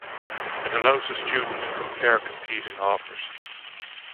It allows a student to compare competing offers.